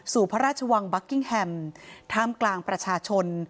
พระราชวังบัคกิ้งแฮมท่ามกลางประชาชน